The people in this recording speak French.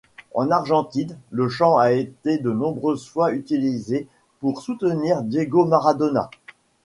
En Argentine, le chant a été de nombreuses fois utilisé pour soutenir Diego Maradona.